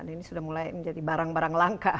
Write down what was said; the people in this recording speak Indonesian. ini sudah mulai menjadi barang barang langka